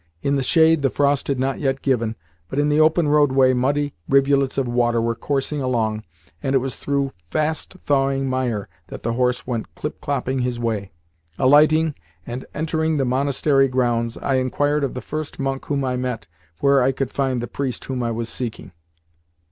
In the shade the frost had not yet given, but in the open roadway muddy rivulets of water were coursing along, and it was through fast thawing mire that the horse went clip clopping his way. Alighting, and entering the monastery grounds, I inquired of the first monk whom I met where I could find the priest whom I was seeking.